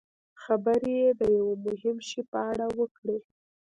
خبرې د یوه مهم شي په اړه وکړي.